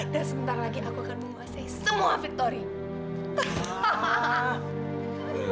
dan sebentar lagi aku akan menguasai semua victory